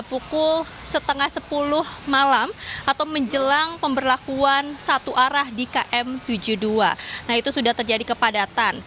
pukul setengah sepuluh malam atau menjelang pemberlakuan satu arah di km tujuh puluh dua nah itu sudah terjadi kepadatan